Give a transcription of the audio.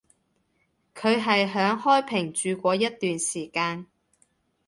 但係響開平住過一段時間